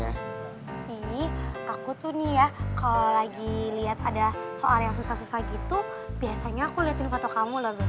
tapi aku tuh nih ya kalau lagi lihat ada soal yang susah susah gitu biasanya aku liatin foto kamu loh